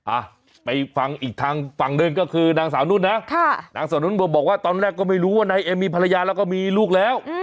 อ่ะไปฟังอีกทางฝั่งเรื่องก็คือนางสามรุ่นะค่ะตอนแรกก็ไม่รู้ว่าในมีภรรยาแล้วก็มีลูกแล้ว